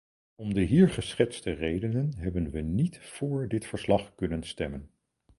Om de hier geschetste redenen hebben we niet voor dit verslag kunnen stemmen.